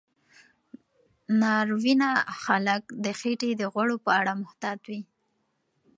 ناروینه خلک د خېټې د غوړو په اړه محتاط وي.